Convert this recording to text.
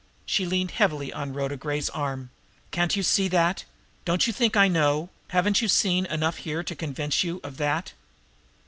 She leaned heavily on Rhoda Gray's arm. "Can't you see that? Don't you think I know? Haven't you seen enough here to convince you of that?